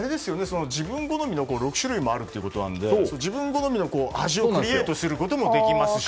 ６種類もあるということなので自分好みの味をクリエートすることもできますし。